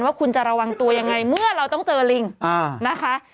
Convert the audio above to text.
ว่าคุณจะระวังตัวยังไงเมื่อเราต้องเจอลิงนะคะ